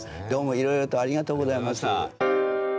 どうもいろいろとありがとうございます。